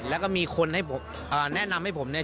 แล้วก็มีคนให้แนะนำให้ผมเนี่ย